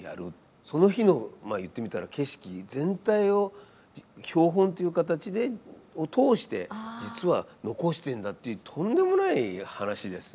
その日のまあ言ってみたら景色全体を標本という形でを通して実は残してんだってとんでもない話ですね。